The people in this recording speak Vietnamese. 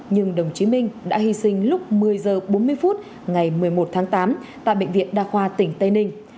nhưng đồng chí minh đã hy sinh lúc một mươi h bốn mươi phút ngày một mươi một tháng tám tại bệnh viện đa khoa tỉnh tây ninh